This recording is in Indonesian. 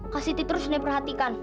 kak siti terus nih perhatikan